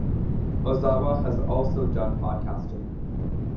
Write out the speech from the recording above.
Ozawa has also done podcasting.